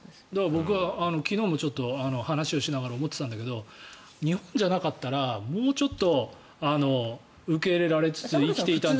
僕は昨日、ちょっと話をしながら思っていたんだけど日本じゃなかったらもうちょっと受け入れられて生きて。